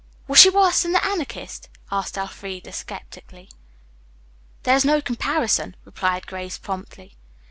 "Was she worse than the Anarchist?" asked Elfreda sceptically. "There is no comparison," replied Grace promptly.